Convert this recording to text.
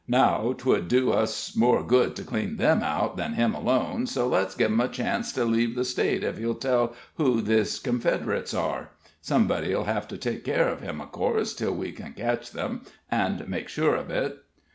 Now, 'twould do us more good to clean them out than him alone, so let's give him a chance to leave the State if he'll tell who his confederates are. Somebody'll have to take care of him, of course, till we can catch them, and make sure of it."